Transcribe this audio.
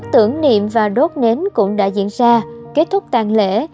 tưởng niệm và đốt nến cũng đã diễn ra kết thúc tàn lễ